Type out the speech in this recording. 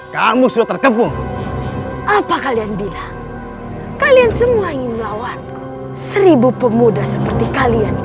kamu sudah terkebun apa kalian bilang kalian semua ingin melawanku seribu pemuda seperti kalian